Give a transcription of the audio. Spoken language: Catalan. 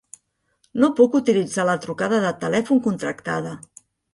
No puc utilitzar la trucada de telèfon contractada.